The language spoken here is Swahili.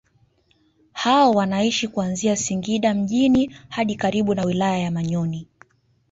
Hao wanaishi kuanzia Singida mjini hadi karibu na wilaya ya Manyoni